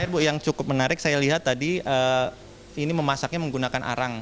bu yang cukup menarik saya lihat tadi ini memasaknya menggunakan arang